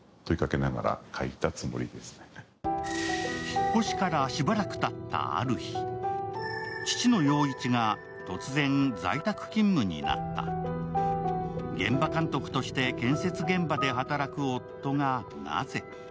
引っ越しからしばらくたったある日、父の陽一が突然、在宅勤務になった現場監督として建設現場で働く夫がなぜ？